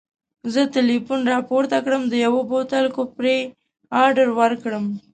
زه ټلیفون راپورته کړم د یوه بوتل کاپري اډر ورکړم.